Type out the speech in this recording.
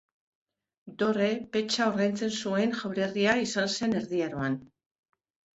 Dorre, petxa ordaintzen zuen jaurerria izan zen Erdi Aroan.